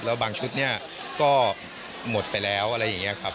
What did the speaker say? แล้วบางชุดเนี่ยก็หมดไปแล้วอะไรอย่างนี้ครับ